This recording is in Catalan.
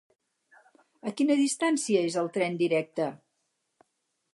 A quina distància és el tren directe?